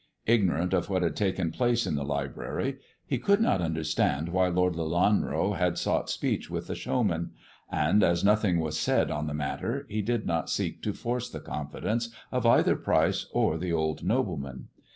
Ignorant of what had taken place in the library, he could hot understand why Lord Lelanro had sought speech with the showman ; and as nothing was said on the matter, he did not seek to force the confidence of either Pryce or the old nobleman.